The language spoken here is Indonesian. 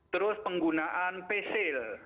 terus penggunaan pesil